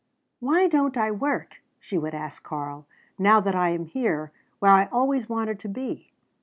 "Why don't I work," she would ask Karl, "now that I am here where I always wanted to be?"